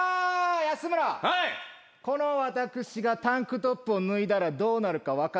この私がタンクトップを脱いだらどうなるか分かるかな？